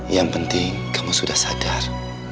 yang penting kamu sudah sadar